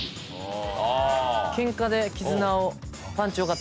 ケンカで絆を。